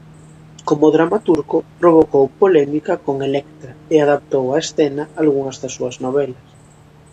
Como dramaturgo provocou polémica con "Electra" e adaptou á escena algunhas das súas novelas.